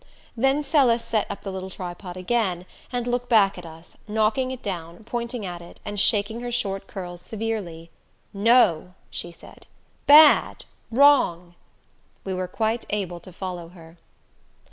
Then Celis set up the little tripod again, and looked back at us, knocking it down, pointing at it, and shaking her short curls severely. "No," she said. "Bad wrong!" We were quite able to follow her.